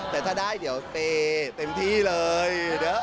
แต่ถ้าได้เดี๋ยวเตเต็มที่เลย